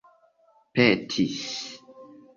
petis